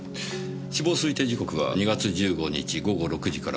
死亡推定時刻は２月１５日午後６時から９時半の間ですか。